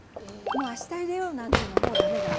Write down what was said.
あしたゆでようなんていうのはもう駄目駄目。